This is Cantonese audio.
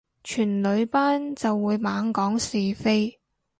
全女班就會猛講是非